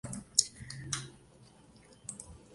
El oro se lo llevó Panamá primera vez.